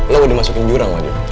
lu udah dimasukin jurang lagi